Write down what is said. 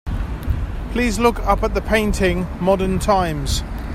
Please look up the painting, Modern times.